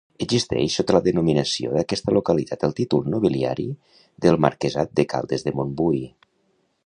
Existeix sota la denominació d'aquesta localitat el títol nobiliari del marquesat de Caldes de Montbui.